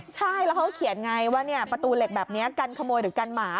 ใช่แล้วเขาก็เขียนไงว่าประตูเหล็กแบบนี้กันขโมยหรือกันหมา